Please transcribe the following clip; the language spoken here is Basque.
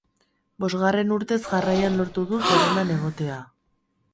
Bosgarren urtez jarraian lortu du zerrendan egotea.